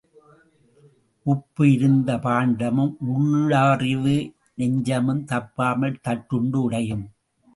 உப்பு இருந்த பாண்டமும் உளவு அறிந்த நெஞ்சமும் தப்பாமல் தட்டுண்டு உடையும்.